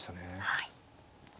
はい。